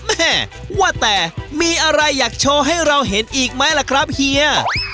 แม่ว่าแต่มีอะไรอยากโชว์ให้เราเห็นอีกไหมล่ะครับเฮีย